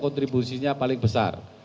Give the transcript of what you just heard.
kontribusinya paling besar